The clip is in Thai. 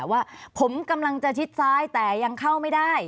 ว่าผมกำลังจะชิดซ้ายแต่ยังเข้าไม่ได้